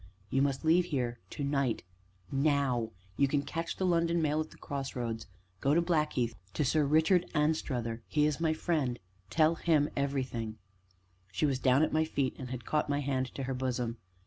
You must leave here, to night now. You can catch the London Mail at the cross roads. Go to Blackheath to Sir Richard Anstruther he is my friend tell him everything " She was down at my feet, and had caught my hand to her bosom.